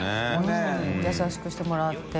優しくしてもらって。